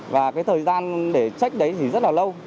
và cái thời gian để trách đấy thì rất là lâu